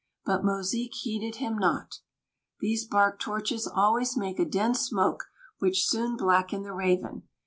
but Mosique heeded him not. These bark torches always make a dense smoke, which soon blackened the Raven.